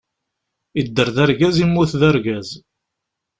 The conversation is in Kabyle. Yedder d argaz, yemmut d argaz.